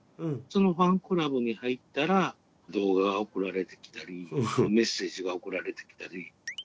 そのファンクラブに入ったら動画が送られてきたりメッセージが送られてきたりするんですね。